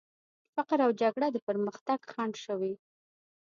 فقر او جګړه د پرمختګ خنډ شوي.